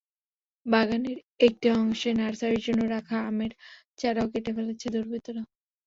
বাগানের একটি অংশে নার্সারির জন্য রাখা আমের চারাও কেটে ফেলেছে দুর্বৃত্তরা।